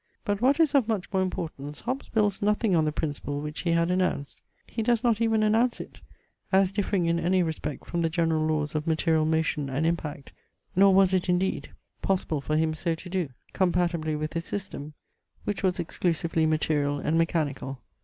But what is of much more importance, Hobbes builds nothing on the principle which he had announced. He does not even announce it, as differing in any respect from the general laws of material motion and impact: nor was it, indeed, possible for him so to do, compatibly with his system, which was exclusively material and mechanical.